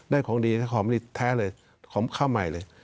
ได้ของดีของไม่ได้แท้เลยของข้าวใหม่เลย